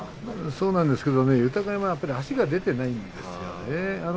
そうなんですけど豊山足が出ていないですね。